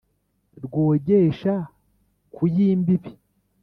Rwogesha ku y’imbibi,